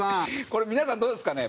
これ皆さんどうですかね？